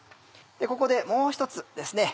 ここでもう一つですね